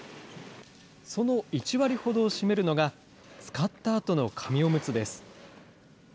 その１割ほどを占めるのが、使ったあとの紙おむつです。